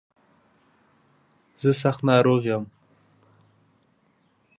زه سخت ناروغ يم.